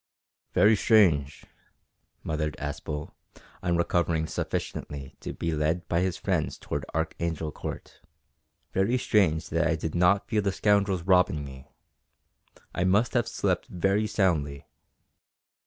"Very strange," muttered Aspel, on recovering sufficiently to be led by his friend towards Archangel Court, "very strange that I did not feel the scoundrels robbing me. I must have slept very soundly."